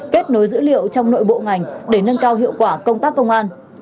kết nối dữ liệu trong nội bộ ngành để nâng cao hiệu quả công tác công an